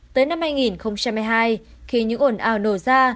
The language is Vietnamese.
tới năm hai nghìn một mươi hai khi những ổn ảo nổ ra